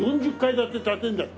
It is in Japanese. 建て建てるんだって。